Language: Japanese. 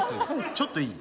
ちょっといい？